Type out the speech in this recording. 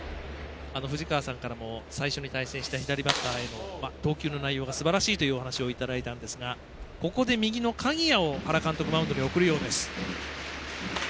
藤川さんからも最初に対戦した左バッターへの投球の内容がすばらしいというお話をいただいたんですがここで右の鍵谷を原監督マウンドに送るようです。